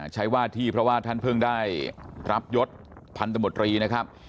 ใช้ว่าที่เพราะว่าท่านเพิ่งได้รับยศพันธมตรีนะครับ